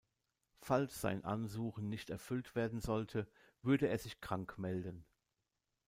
Falls sein Ansuchen nicht erfüllt werden sollte, würde er sich krank melden.